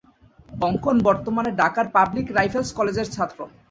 অঙ্কন বর্তমানে ঢাকার পাবলিক রাইফেলস কলেজের ছাত্র।